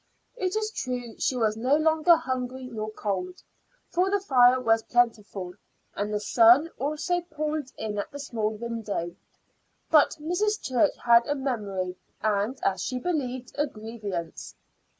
It is true she was no longer hungry nor cold, for the fire was plentiful, and the sun also poured in at the small window. But Mrs. Church had a memory and, as she believed, a grievance.